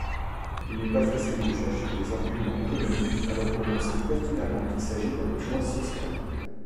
il n'est pas facile de chercher des arguments économiques alors que l'on sait pertinemment qu'il s'agit d'un besoin social.